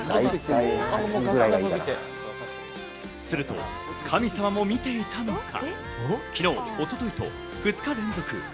すると神様も見ていたのか、昨日、一昨日と２日連続